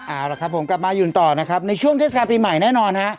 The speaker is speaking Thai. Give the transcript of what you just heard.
เอาละครับผมกลับมาหยุ่นต่อนะครับในช่วงเทศกาลปีใหม่แน่นอนฮะ